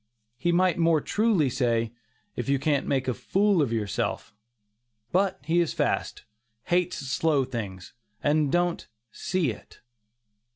He might more truly say, "if you can't make a fool of yourself"; but he is "fast," hates slow things, and don't "see it."